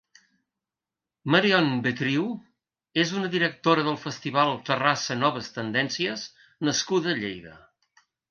Marion Betriu és una directora del festival Terrassa Noves Tendències nascuda a Lleida.